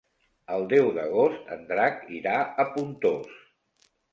El deu d'agost en Drac irà a Pontós.